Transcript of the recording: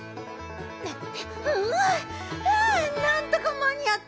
ううはあなんとかまにあった。